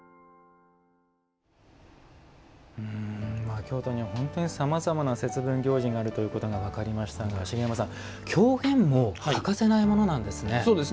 京都には本当にさまざまな節分行事があるということが分かりましたが茂山さん、狂言も欠かせないものなんですね。